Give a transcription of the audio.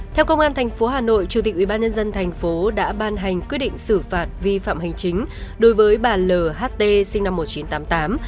theo công an tp hà nội chủ tịch ubnd tp đã ban hành quyết định xử phạt vi phạm hành chính đối với bà lht sinh năm một nghìn chín trăm tám mươi tám